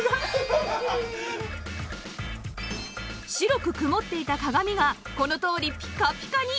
白く曇っていた鏡がこのとおりピカピカに！